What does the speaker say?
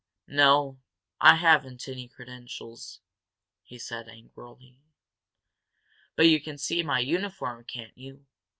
"No, I haven't any credentials," he said, angrily. "But you can see my uniform, can't you?